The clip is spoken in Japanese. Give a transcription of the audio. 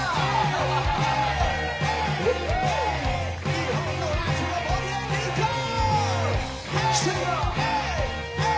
日本の夏を盛り上げていこう！